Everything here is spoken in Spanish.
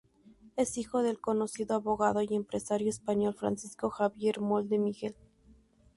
Es hijo del conocido abogado y empresario español Francisco Javier Moll de Miguel.